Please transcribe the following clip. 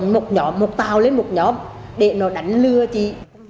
một nhóm một tàu lên một nhóm để nó đánh lừa chị